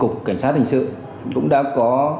cục cảnh sát hình sự cũng đã có